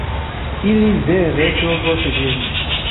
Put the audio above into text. Ili vere trovos ĝin.